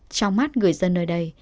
trong mắt người dân nơi đây